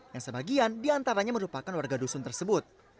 yang sebagian diantaranya merupakan warga dusun tersebut